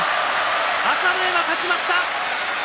朝乃山、勝ちました。